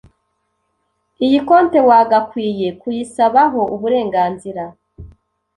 iyi compte wagakwiye kuyisabaho uburenganzira